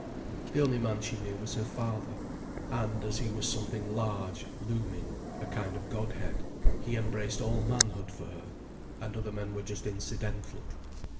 The only man she knew was her father; and, as he was something large, looming, a kind of Godhead, he embraced all manhood for her, and other men were just incidental.